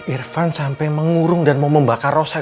irfan sampai mengurung dan mau membakar rosa